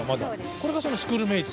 これがそのスクールメイツ。